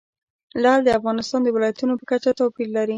لعل د افغانستان د ولایاتو په کچه توپیر لري.